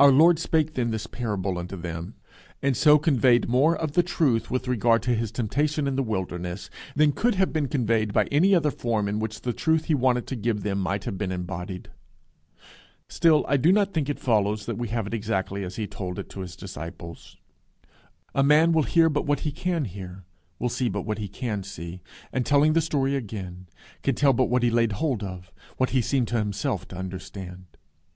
Our Lord spake then this parable unto them, and so conveyed more of the truth with regard to his temptation in the wilderness, than could have been conveyed by any other form in which the truth he wanted to give them might have been embodied. Still I do not think it follows that we have it exactly as he told it to his disciples. A man will hear but what he can hear, will see but what he can see, and, telling the story again, can tell but what he laid hold of, what he seemed to himself to understand.